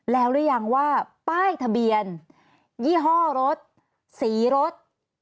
แล้วหรือยังว่าป้ายทะเบียนยี่ห้อรถสีรถ